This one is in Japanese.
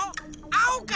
あおか？